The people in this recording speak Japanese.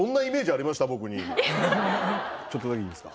ちょっとだけいいですか？